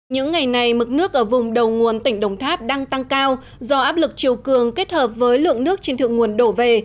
những ngày này mực nước ở vùng đầu nguồn tỉnh đồng tháp đang tăng cao do áp lực chiều cường kết hợp với lượng nước trên thượng nguồn đổ về